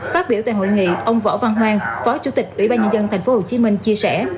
phát biểu tại hội nghị ông võ văn hoang phó chủ tịch ủy ban nhân dân tp hcm chia sẻ